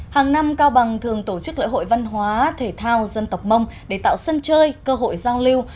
hàng năm cao bằng thường tổ chức lễ hội văn hóa thể thao dân tộc mông để tạo sân chơi cơ hội giao lưu